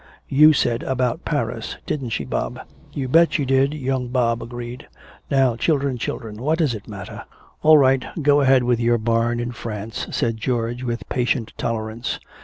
You said, 'About Paris.' Didn't she, Bob?" "You bet she did," young Bob agreed. "Now, children, children, what does it matter?" "All right, go ahead with your barn in France," said George with patient tolerance.